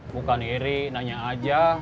bukan iri nanya aja